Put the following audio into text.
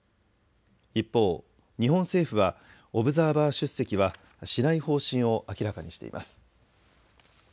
一方、日本政府はオブザーバー出席はしない方針を明らかにしています。